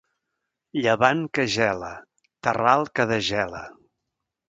Llevant que gela, terral que desgela.